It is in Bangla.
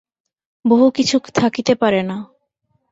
বহু কিছু থাকিতে পারে না।